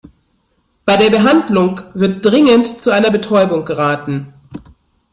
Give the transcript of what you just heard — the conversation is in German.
Bei der Behandlung wird dringend zu einer Betäubung geraten.